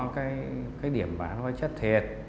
cái điểm bán hoa chất thiệt